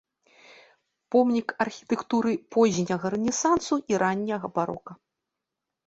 Помнік архітэктуры позняга рэнесансу і ранняга барока.